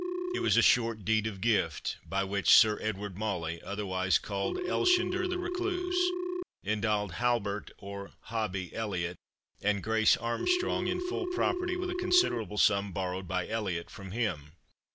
It was a short deed of gift, by which "Sir Edward Mauley, otherwise called Elshender the Recluse, endowed Halbert or Hobbie Elliot, and Grace Armstrong, in full property, with a considerable sum borrowed by Elliot from him."